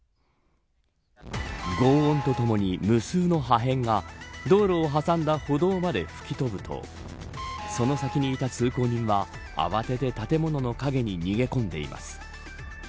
ごう音とともに無数の破片が道路を挟んだ歩道まで吹き飛ぶとその先にいた通行人は慌てて建物の影に逃げ込んでいます。